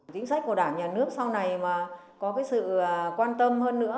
chính sách của đảng nhà nước sau này mà có cái sự quan tâm hơn nữa